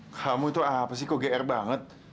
kamu tuh apa sih kok gr banget